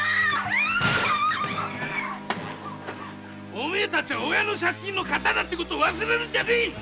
お前たちは親の借金のカタだってことを忘れるんじゃねえ！